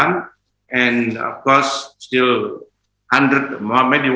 dan tentu saja masih seratus mungkin seratus lebih